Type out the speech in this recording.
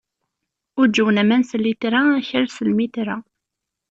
Uǧǧwen aman s llitra, akal s lmitra.